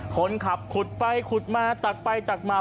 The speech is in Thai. คนขับขุดไปขุดมาตักไปตักมา